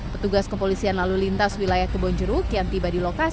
petugas kepolisian lalu lintas wilayah kebonjeruk yang tiba di lokasi